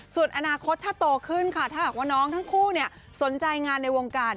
ส่วนอนาคตถ้าโตขึ้นค่ะถ้าหากว่าน้องทั้งคู่สนใจงานในวงการ